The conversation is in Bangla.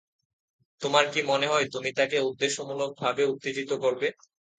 তোমার কি মনে হয় তুমি তাকে উদ্দেশ্যমূলকভাবে উত্তেজিত করবে?